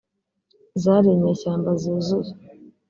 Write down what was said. zari inyeshyamba zuzuye